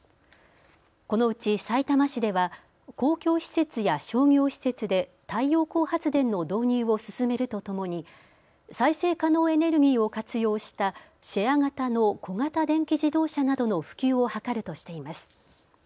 このうち、さいたま市では公共施設や商業施設で太陽光発電の導入を進めるとともに、再生可能エネルギーを活用したシェア型の小型電気自動車などの普及を図るとしています。